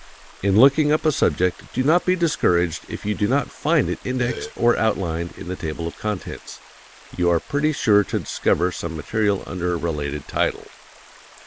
In looking up a subject do not be discouraged if you do not find it indexed or outlined in the table of contents you are pretty sure to discover some material under a related title.